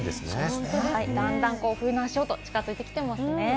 だんだん冬の足音が近づいてきていますよね。